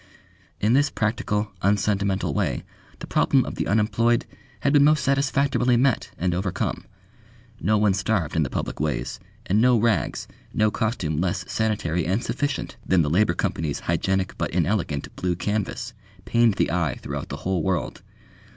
In this practical, unsentimental way the problem of the unemployed had been most satisfactorily met and overcome. No one starved in the public ways, and no rags, no costume less sanitary and sufficient than the Labour Company's hygienic but inelegant blue canvas, pained the eye throughout the whole world.